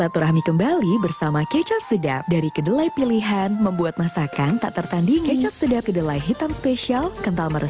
terima kasih dengan peluang valuable dari